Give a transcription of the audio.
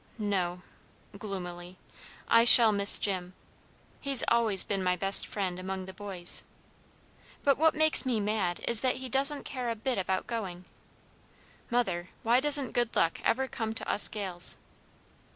"No" (gloomily). "I shall miss Jim. He's always been my best friend among the boys. But what makes me mad is that he doesn't care a bit about going. Mother, why doesn't good luck ever come to us Gales?"